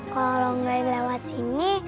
kalau lo gak lewat sini